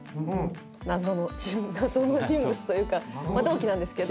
謎の人物というか同期なんですけど。